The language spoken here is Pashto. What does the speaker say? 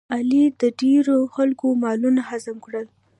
علي د ډېرو خلکو مالونه هضم کړل.